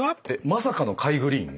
まさかのカイ・グリーン。